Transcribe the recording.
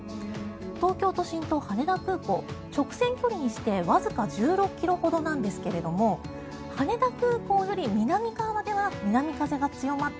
東京都心と羽田空港直線距離にしてわずか１６ｋｍほどなんですが羽田空港より南側では南風が強まった